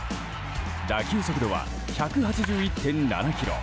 打球速度は１８１．７キロ。